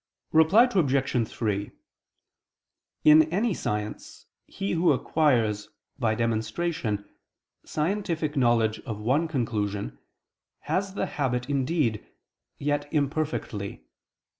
Reply Obj. 3: In any science, he who acquires, by demonstration, scientific knowledge of one conclusion, has the habit indeed, yet imperfectly.